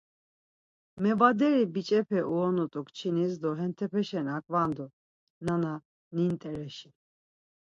Mebaderi biçepe uonut̆u kçinis do hentepeşen akvandu, nana-nintereşi.